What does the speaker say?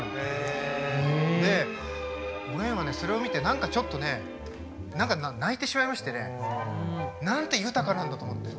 でおげんはそれを見て何かちょっとね何か泣いてしまいましてね。なんて豊かなんだと思って。